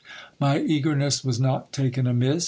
My eagerness was not taken amiss.